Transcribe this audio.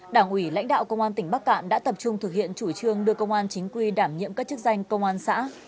đảng ủy lãnh đạo công an tỉnh bắc cạn đã tập trung thực hiện chủ trương đưa công an chính quy đảm nhiệm các chức danh công an xã